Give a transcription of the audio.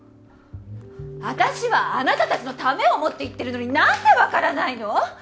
私はあなたたちのためを思って言ってるのになんでわからないの！？